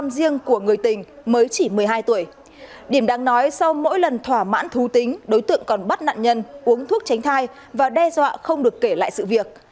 sau mỗi lần thỏa mãn thú tính đối tượng còn bắt nạn nhân uống thuốc tránh thai và đe dọa không được kể lại sự việc